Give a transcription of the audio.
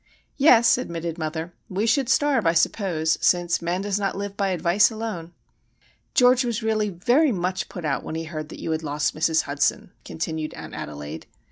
"Yes," admitted mother. "We should starve, I suppose,—since man does not live by advice alone." "George was really very much put out when he heard that you had lost Mrs. Hudson," continued Aunt Adelaide.